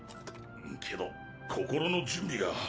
けど心の準備が。